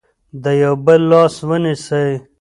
د یو بل لاس ونیسئ.